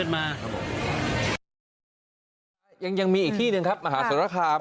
มันยังมีอีกที่หนึ่งครับมหาศาลคาร์ม